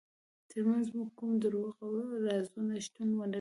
ترمنځ مو کوم دروغ او رازونه شتون ونلري.